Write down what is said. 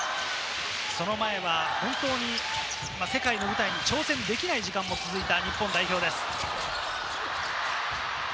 その前は本当に世界の舞台に挑戦できない時間が続いた日本代表です。